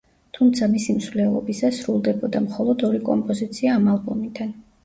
თუმცა, მისი მსვლელობისას სრულდებოდა მხოლოდ ორი კომპოზიცია ამ ალბომიდან.